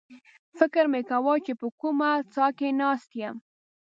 فکر مې کاوه چې په کومه څاه کې ناست یم.